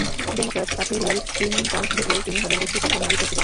Democrat প্রার্থী Hillary Clinton জিতলে তিনি হবেন দেশটির প্রথম নারী প্রেসিডেন্ট।